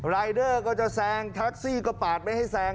รายเดอร์ก็จะแซงแท็กซี่ก็ปาดไม่ให้แซง